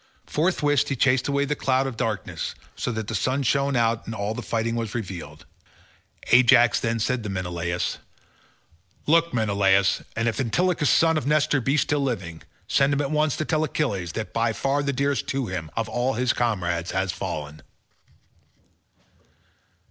Forthwith he chased away the cloud of darkness, so that the sun shone out and all the fighting was revealed. Ajax then said to Menelaus, "Look, Menelaus, and if Antilochus son of Nestor be still living, send him at once to tell Achilles that by far the dearest to him of all his comrades has fallen."